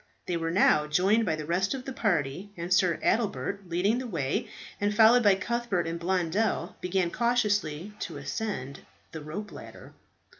They were now joined by the rest of the party, and Sir Adelbert leading the way, and followed by Cuthbert and Blondel, began cautiously to ascend the rope ladder.